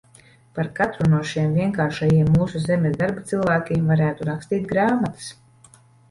Par katru no šiem vienkāršajiem mūsu zemes darba cilvēkiem varētu rakstīt grāmatas.